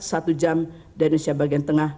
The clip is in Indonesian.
satu jam dari indonesia bagian tengah